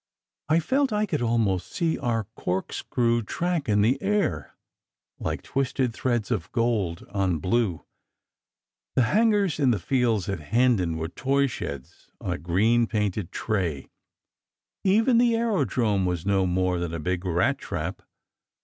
I felt I could almost see our corkscrew track in the air, like twisted threads of gold on blue. The hangars in the fields of Hendon were toy sheds on a green painted tray. Even the aerodrome was no more than a big rat trap.